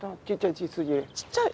ちっちゃい。